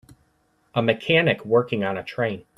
A mechanic working on a train.